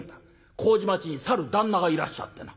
麹町にさる旦那がいらっしゃってな」。